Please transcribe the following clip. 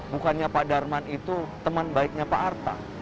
bukannya pak darman itu teman baiknya pak arta